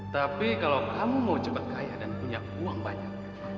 tapi kalau kamu mau cepat kaya dan punya uang banyak